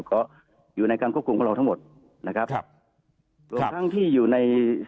ก็อยู่ในการควบคุมของเราทั้งหมดนะครับครับรวมทั้งที่อยู่ใน